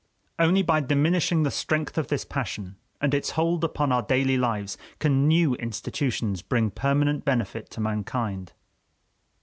Only by diminishing the strength of this passion and its hold upon our daily lives can new institutions bring permanent benefit to mankind.